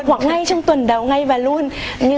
hoặc ngay trong tuần đầu ngay và luôn